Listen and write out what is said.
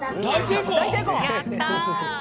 やった！